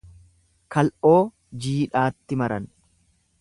Kal'oo jiidhaatti maran.